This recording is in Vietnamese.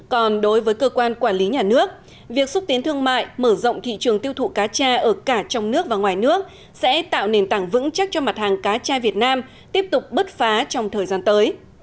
còn đối với cơ quan quản lý nhà nước việc xúc tiến thương mại mở rộng thị trường tiêu thụ cá cha ở cả trong nước và ngoài nước sẽ tạo nền tảng vững chắc cho mặt hàng cá tra việt nam tiếp tục bứt phá trong thời gian tới